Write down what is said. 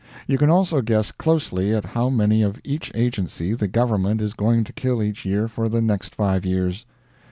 You can also guess closely at how many of each agency the government is going to kill each year for the next five years.